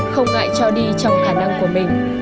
không ngại cho đi trong khả năng của mình